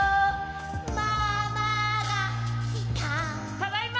ただいま！